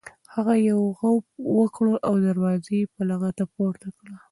هغه یو غوپ وکړ او دروازه یې په لغته پورې کړه.